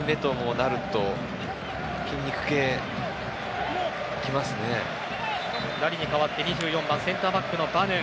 ダリに代わって２４番、センターバックのバヌン。